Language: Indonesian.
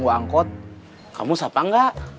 kalau kamu bohong